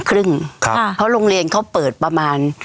เพราะโรงเรียนเขาเปิดประมาณ